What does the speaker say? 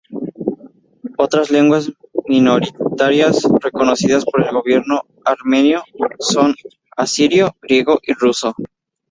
Otras lenguas minoritarias reconocidas por el gobierno armenio son asirio, griego y ruso.